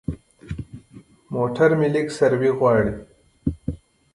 موټر مې لږ سروي غواړي.